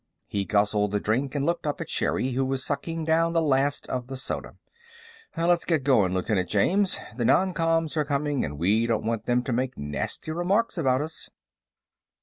He guzzled the drink and looked up at Sherri, who was sucking down the last of the soda. "Let's get going, Lieutenant James. The noncoms are coming, and we don't want them to make nasty remarks about us."